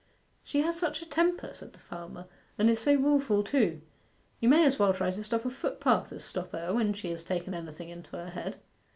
'She has such a temper,' said the farmer, 'and is so wilful too. You may as well try to stop a footpath as stop her when she has taken anything into her head.